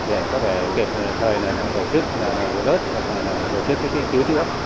để có thể kịp thời tổ chức đớt tổ chức cứu thuyết